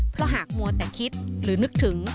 เพราะหากมัวแต่คิดหรือนึกถึง